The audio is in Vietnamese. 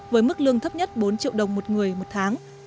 với mức lương thấp nhất bốn triệu đồng một người một tháng